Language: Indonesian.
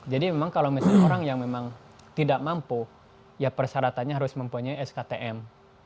jadi memang kalau misalnya orang yang memang tidak mampu ya persyaratannya harus mempunyai sktm